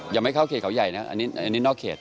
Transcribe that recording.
ไม่เข้าเขตเขาใหญ่นะอันนี้นอกเขต